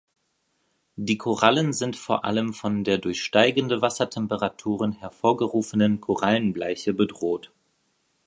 Die Korallen sind vor allem von der durch steigende Wassertemperaturen hervorgerufenen Korallenbleiche bedroht.